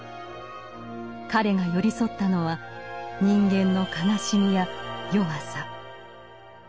彼が寄り添ったのは人間の悲しみや弱さ。